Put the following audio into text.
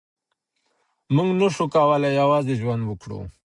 مونږ نسو کولای یوازې ژوند وکړو.